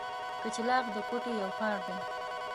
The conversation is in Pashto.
کچلاغ د کوټي یو ښار دی.